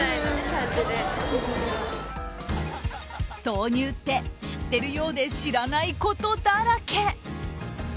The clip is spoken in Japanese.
豆乳って知っているようで知らないことだらけ。